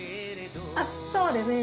あっそうですね。